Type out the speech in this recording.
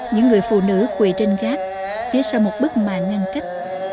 những người phụ nữ quỳ trên gác phía sau một bức màng ngăn cách